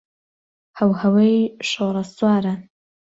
هەوهەوی شۆڕەسواران